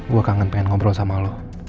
gua kangen pengen ngobrol sama lu